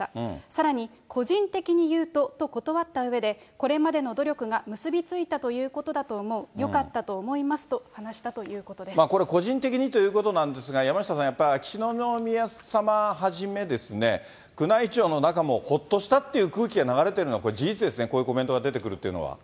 さらに、個人的に言うとと断ったうえで、これまでの努力が結び付いたということだと思う、よかったと思いますと、話したというここれ、個人的にということなんですが、山下さん、やっぱり秋篠宮さまはじめ、宮内庁の中もほっとしたっていう空気が流れてるの、これ事実ですね、こういうコメントが出てくるというのは。